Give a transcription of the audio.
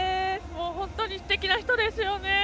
本当にすてきな人ですよね。